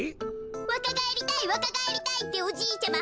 わかがえりたいわかがえりたいっておじいちゃま